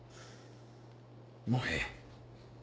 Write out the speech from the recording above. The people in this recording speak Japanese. もうええ。